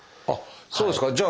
あっそうですか。